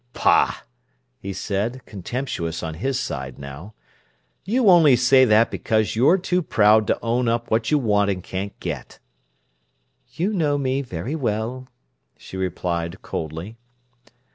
"Pah!" he said, contemptuous on his side now. "You only say that because you're too proud to own up what you want and can't get." "You know me very well," she replied coldly.